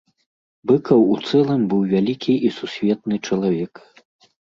Быкаў у цэлым быў вялікі і сусветны чалавек.